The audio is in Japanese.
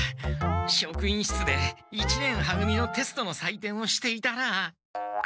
職員室で一年は組のテストのさいてんをしていたら。